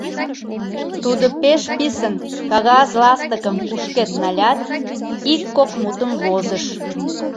Тудо пеш писын кагаз ластыкым кушкед налят, ик-кок мутым возыш.